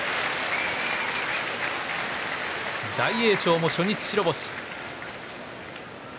大栄翔も初日白星。